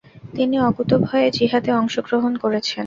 তিনি অকুতোভয়ে জিহাদে অংশ গ্রহণ করেছেন।